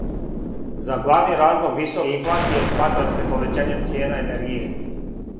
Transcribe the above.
За главни разлог високе инфлације сматра се повећање цијена енергије.